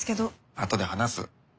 あとで話す。